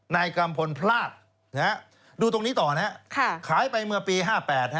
นายกัมพลพลาดนะฮะดูตรงนี้ต่อนะฮะขายไปเมื่อปี๕๘ฮะ